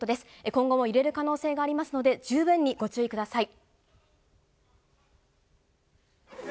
今後も揺れる可能性がありますので、十分にご注意ください。